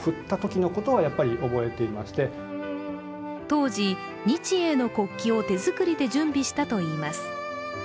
当時、日英の国旗を手作りで準備したといいます。